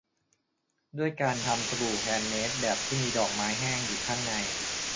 ด้วยการทำสบู่แฮนด์เมดแบบที่มีดอกไม้แห้งอยู่ข้างใน